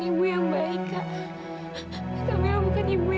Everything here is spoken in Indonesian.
yang baik bukti kamila gak bisa melindungi anak kamila sendiri